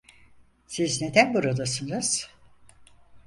Siz neden buradasınız?